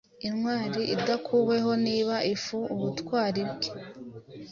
Intwari idakuweho niba ifu ubutwari bwe